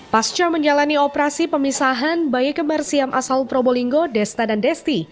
pasca menjalani operasi pemisahan bayi kembar siam asal probolinggo desta dan desti